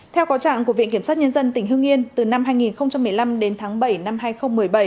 theo có trạng của viện kiểm sát nhân dân tỉnh hương yên từ năm hai nghìn một mươi năm đến tháng bảy năm hai nghìn một mươi bảy